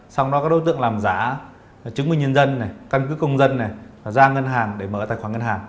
sau đó các đối tượng làm giả chứng minh nhân dân này căn cứ công dân này ra ngân hàng để mở tài khoản ngân hàng